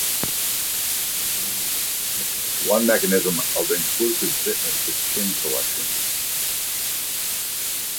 One mechanism of inclusive fitness is kin selection.